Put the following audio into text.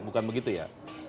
bukan begitu ya